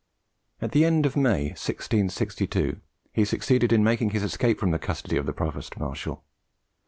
At the end of May, 1662, he succeeded in making his escape from the custody of the Provost Marshal.